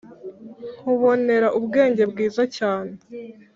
nkubonera ubwenge bwiza cyane